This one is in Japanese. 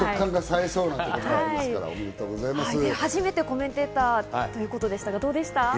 初めてコメンテーターということでしたがどうでした？